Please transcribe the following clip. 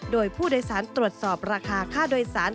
โดยผู้โดยสารตรวจสอบราคาค่าโดยสาร